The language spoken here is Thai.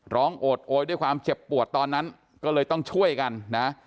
โอดโอยด้วยความเจ็บปวดตอนนั้นก็เลยต้องช่วยกันนะ